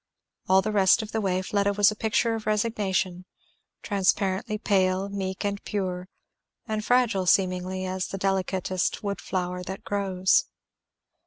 All the rest of the way Fleda was a picture of resignation; transparently pale, meek and pure, and fragile seemingly, as the delicatest wood flower that grows.